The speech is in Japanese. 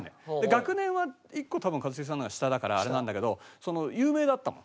学年は１個多分一茂さんの方が下だからあれなんだけど有名だったの。